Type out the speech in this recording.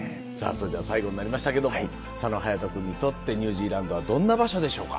それでは最後になりましたけども佐野勇斗君にとってニュージーランドはどんな場所でしょうか。